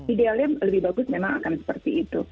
idealnya lebih bagus memang akan seperti itu